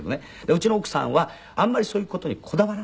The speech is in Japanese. うちの奥さんはあんまりそういう事にこだわらない。